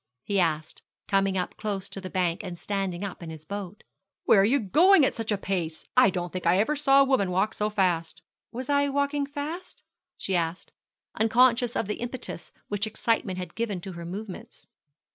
he asked, coming up close to the bank, and standing up in his boat. 'Where are you going at such a pace? I don't think I ever saw a woman walk so fast.' 'Was I walking fast?' she asked, unconscious of the impetus which excitement had given to her movements.